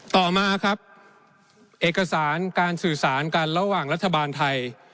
ต่อมาครับเอกสารการสื่อสารกันระหว่างรัฐบาลไทย